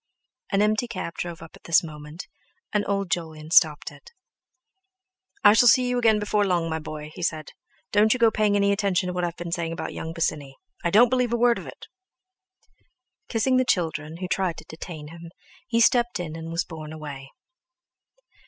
An empty cab drove up at this moment, and old Jolyon stopped it. "I shall see you again before long, my boy!" he said. "Don't you go paying any attention to what I've been saying about young Bosinney—I don't believe a word of it!" Kissing the children, who tried to detain him, he stepped in and was borne away.